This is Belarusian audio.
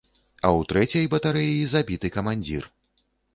А ў трэцяй батарэі забіты камандзір.